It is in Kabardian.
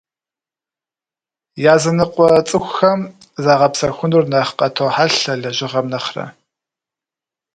Языныкъуэ цӀыхухэм загъэпсэхуныр нэхъ къатохьэлъэ лэжьыгъэм нэхърэ.